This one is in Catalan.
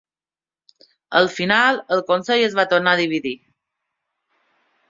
Al final, el consell es va tornar a dividir.